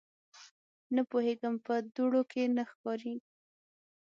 _نه پوهېږم، په دوړو کې نه ښکاري.